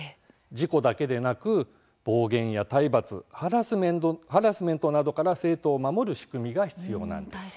事故だけでなく暴言や体罰ハラスメントなどから生徒を守る仕組みが必要なんです。